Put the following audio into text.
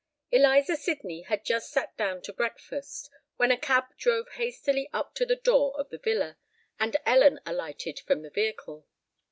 Eliza Sydney had just sate down to breakfast, when a cab drove hastily up to the door of the villa, and Ellen alighted from the vehicle.